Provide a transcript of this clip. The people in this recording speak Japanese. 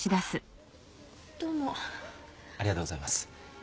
ありがとうございます。